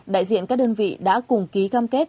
đại diện các đơn vị đã cùng ký cam kết